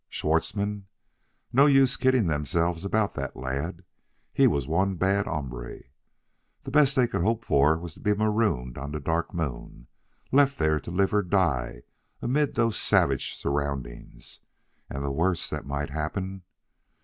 Schwartzmann? no use kidding themselves about that lad; he was one bad hombre. The best they could hope for was to be marooned on the Dark Moon left there to live or to die amid those savage surroundings; and the worst that might happen